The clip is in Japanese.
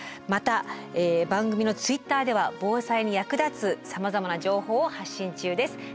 また番組のＴｗｉｔｔｅｒでは防災に役立つさまざまな情報を発信中です。